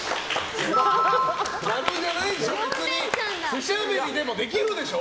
素しゃべりでもできるでしょ。